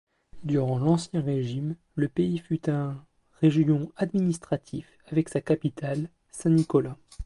Durant l'ancien régime, le Pays fut un région administratif avec sa capitale: Saint-Nicolas.